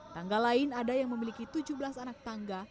tangga lain ada yang memiliki tujuh belas anak tangga